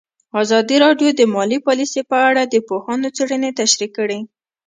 ازادي راډیو د مالي پالیسي په اړه د پوهانو څېړنې تشریح کړې.